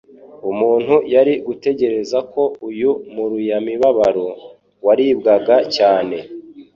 Umuntu yari gutekereza ko uyu muruyamibabaro waribwaga cyane